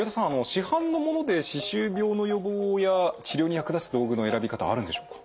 市販のもので歯周病の予防や治療に役立つ道具の選び方はあるんでしょうか？